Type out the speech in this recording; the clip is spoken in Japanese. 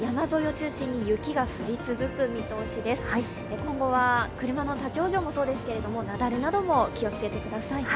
今後は車の立往生もそうですけども、雪崩などにも気をつけてください。